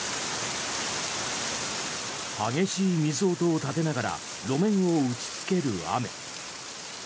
激しい水音を立てながら路面を打ちつける雨。